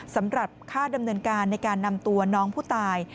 สำหรับค่าดำเนินการในการนำตัวน้องผู้ตาย